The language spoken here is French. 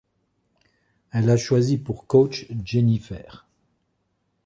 Elle a choisi pour coach Jenifer.